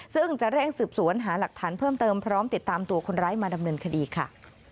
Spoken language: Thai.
ซึ่งจะเร่งสืบสวนหาหลักฐานเพิ่มเติมพร้อมติดตามตัวคนร้ายมาดำเนินคดีค่ะ